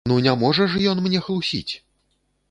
Ну не можа ж ён мне хлусіць!